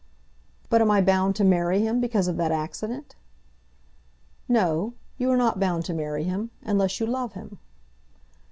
"But am I bound to marry him because of that accident?" "No; you are not bound to marry him, unless you love him."